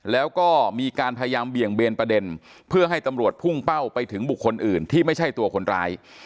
แล้วก็มีการพยายามเบี่ยงเบนประเด็นเพื่อให้ตำรวจพุ่งเป้าไปถึงบุคคลอื่นที่ไม่ใช่ตัวคนร้าย